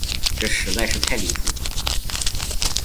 这实在是太离谱了。